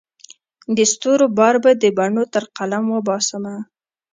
د ستورو بار به د بڼو تر قلم وباسمه